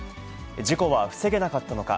事故は防げなかったのか。